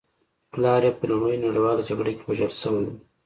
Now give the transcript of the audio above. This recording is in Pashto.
پلار یې په لومړۍ نړۍواله جګړه کې وژل شوی و